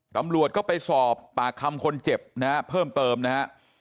ตำรวจก็ไปสอบปากคำคนเจ็บนะฮะเพิ่มเติมนะฮะ